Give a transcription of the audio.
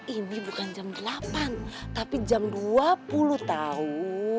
ini bukan jam delapan tapi jam dua puluh tahun